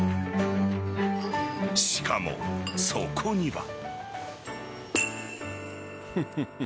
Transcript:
しかも、そこには。